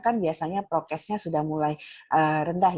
kan biasanya prokesnya sudah mulai rendah